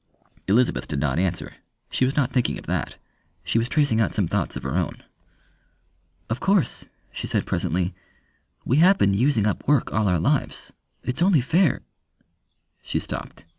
Elizabeth did not answer. She was not thinking of that. She was tracing out some thoughts of her own. "Of course," she said presently, "we have been using up work all our lives. It's only fair " She stopped.